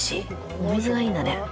お水がいいんだね。